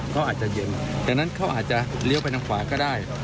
เขาอาจจะเย็นดังนั้นเขาอาจจะเลี้ยวไปทางขวาก็ได้